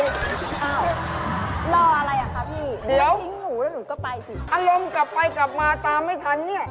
รออะไรครับพี่เดี๋ยวอารมณ์กลับไปกลับมาตามไม่ทันเนี่ย